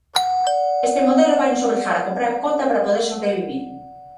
Este modelo vainos obrigar a comprar cota para poder sobrevivir.